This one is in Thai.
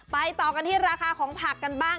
ต่อกันที่ราคาของผักกันบ้าง